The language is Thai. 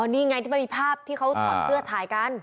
นี่ไงที่มันมีภาพที่เขาถอดเสื้อถ่ายกัน